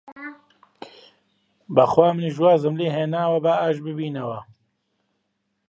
بەخوا منیش وازم لێ هێناوە، با ئاشت بینەوە!